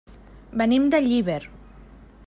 Venim de Llíber.